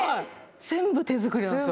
全部手作りなんですよ